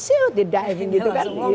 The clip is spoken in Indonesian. dia diving gitu kan